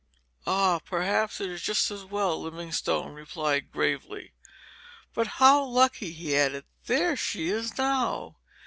"Ah, perhaps it is just as well," Livingstone replied, gravely. "But how lucky!" he added; "there she is now.